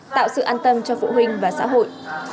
tạo sự an tâm cho phụ huynh và xã hội